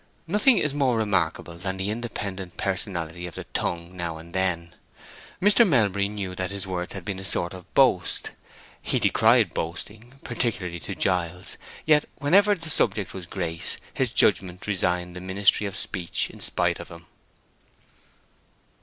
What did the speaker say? Nothing is more remarkable than the independent personality of the tongue now and then. Mr. Melbury knew that his words had been a sort of boast. He decried boasting, particularly to Giles; yet whenever the subject was Grace, his judgment resigned the ministry of speech in spite of him.